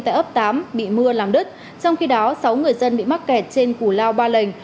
tại ấp tám bị mưa làm đứt trong khi đó sáu người dân bị mắc kẹt trên củ lao ba lành